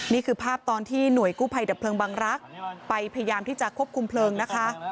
นี่คือภาพตอนที่หน่วยกู้ภัยดับเพลิงบังรักษ์ไปพยายามที่จะควบคุมเพลิงนะคะ